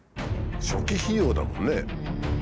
初期費用だもんね。